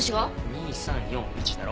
２３４１だろ？